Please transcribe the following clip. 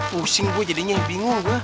pusing gue jadinya bingung gue